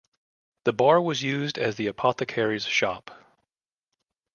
The bar was used as the apothecary's shop.